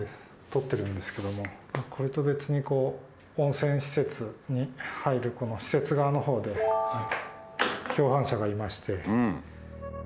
撮ってるんですけどもこれと別に温泉施設に入るこの施設側のほうで共犯者がいまして。